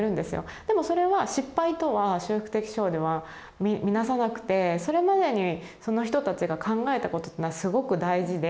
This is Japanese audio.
でもそれは失敗とは修復的司法では見なさなくてそれまでにその人たちが考えたことっていうのはすごく大事で。